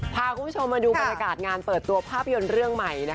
พาคุณผู้ชมมาดูบรรยากาศงานเปิดตัวภาพยนตร์เรื่องใหม่